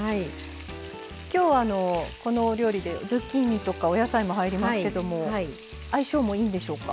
今日このお料理でズッキーニとかお野菜も入りますけども相性もいいんでしょうか？